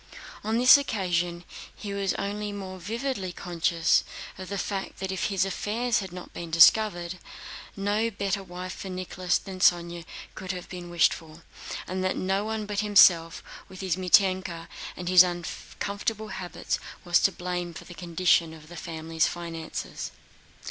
On this occasion, he was only more vividly conscious of the fact that if his affairs had not been in disorder, no better wife for Nicholas than Sónya could have been wished for, and that no one but himself with his Mítenka and his uncomfortable habits was to blame for the condition of the family finances.